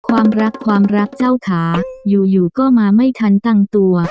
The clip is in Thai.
ความรักความรักเจ้าขาอยู่ก็มาไม่ทันตั้งตัว